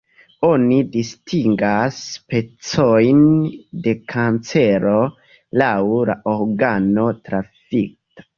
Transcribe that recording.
Oni distingas specojn de kancero laŭ la organo trafita.